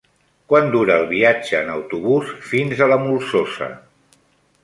Quant dura el viatge en autobús fins a la Molsosa?